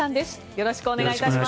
よろしくお願いします。